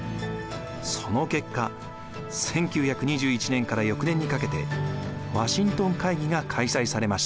その結果１９２１年から翌年にかけてワシントン会議が開催されました。